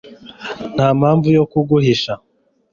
Nta mpamvu yo kuguhisha